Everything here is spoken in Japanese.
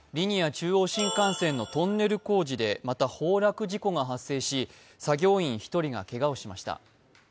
中央新幹線のトンネル工事で、また崩落事故が発生し、作業員１人がけがをしました。